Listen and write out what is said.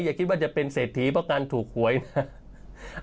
อย่าคิดว่าจะเป็นเศรษฐีเพราะการถูกหวยนะครับ